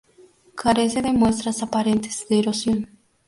Carece de muestras aparentes de erosión.